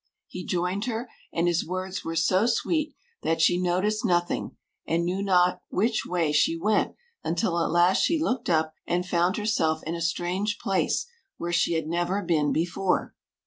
He joined her, and his words were so sweet that she noticed nothing and knew not which way she went until at last she looked up and found herself in a strange place where she had never been before.